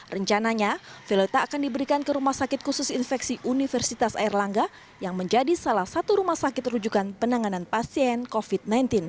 rencananya viota akan diberikan ke rumah sakit khusus infeksi universitas airlangga yang menjadi salah satu rumah sakit rujukan penanganan pasien covid sembilan belas